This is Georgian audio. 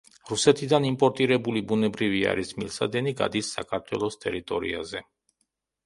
რუსეთიდან იმპორტირებული ბუნებრივი აირის მილსადენი გადის საქართველოს ტერიტორიაზე.